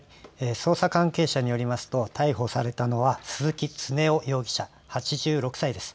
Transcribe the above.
捜査関係者によりますと逮捕されたのは鈴木常雄容疑者、８６歳です。